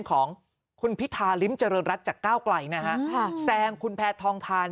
ของคุณพิธาริมเจริญรัฐจากก้าวไกลนะฮะแซงคุณแพทองทาน